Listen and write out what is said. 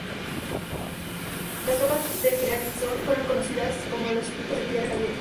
Las tropas del general Pinzón fueron conocidos como los "Pintos de Tierra Caliente".